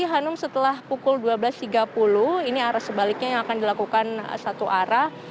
hanum setelah pukul dua belas tiga puluh ini arah sebaliknya yang akan dilakukan satu arah